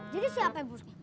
jadi siapa bosnya